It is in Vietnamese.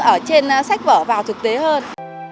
ở trên sách vở vào thực tế hơn